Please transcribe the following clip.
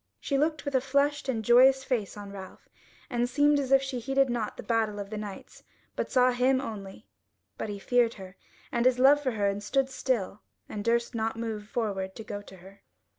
She looked with a flushed and joyous face on Ralph, and seemed as if she heeded nought the battle of the knights, but saw him only: but he feared her, and his love for her and stood still, and durst not move forward to go to her.